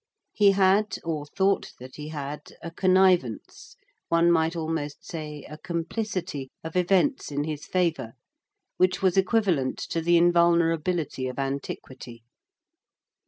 He had, or thought that he had, a connivance, one might almost say a complicity, of events in his favor, which was equivalent to the invulnerability of antiquity.